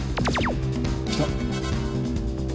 来た！